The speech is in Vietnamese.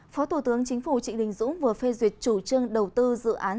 phó thủ tướng chính phủ trịnh đình dũng vừa phê duyệt chủ trương đầu tư dự án